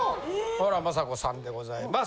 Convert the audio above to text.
小原正子さんでございます。